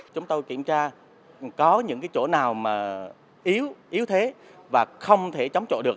chúng tôi kiểm tra có những chỗ nào yếu thế và không thể chống trộn được